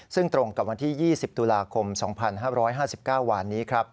ซึ่งตรงกับวันที่๒๐ตุลาคม๒๕๕๙วานนี้